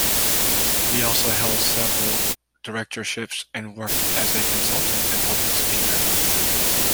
He also held several directorships, and worked as a consultant and public speaker.